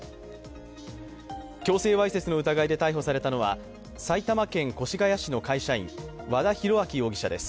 強制わいせつの疑いで逮捕されたのは埼玉県越谷市の会社員和田広昭容疑者です。